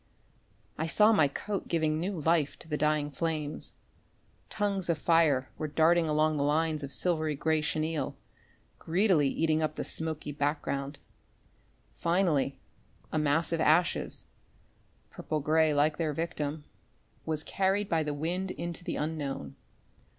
I saw my coat giving new life to the dying flames. Tongues of fire were darting down the lines of silvery grey chenil, greedily eating up the smoky back ground. Finally, a mass of ashes purple grey like their victim was carried by the wind into the unknown.